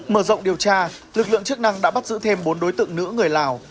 mở rộng điều tra lực lượng chức năng đã bắt giữ thêm bốn đối tượng nữ người lào